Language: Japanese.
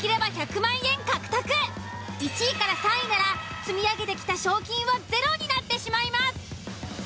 １位３位なら積み上げてきた賞金はゼロになってしまいます。